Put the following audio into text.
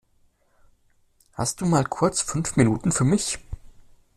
Hast du mal kurz fünf Minuten für mich?